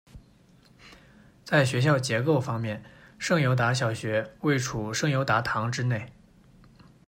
在学校结构方面，圣犹达小学位处圣犹达堂之内。